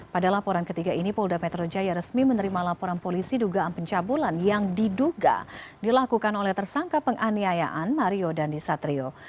pada laporan ketiga ini polda metro jaya resmi menerima laporan polisi dugaan pencabulan yang diduga dilakukan oleh tersangka penganiayaan mario dandisatrio